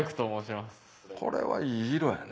これはいい色やね